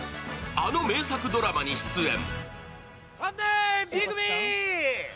あの名作ドラマに出演。